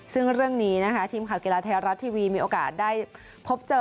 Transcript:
ซึ่งเรื่องนี้ทีมขับกีฬาเทราทีวีมีโอกาสได้พบเจอ